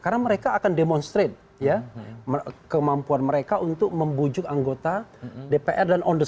karena mereka akan demonstrate ya kemampuan mereka untuk membujuk anggota dpr dan on the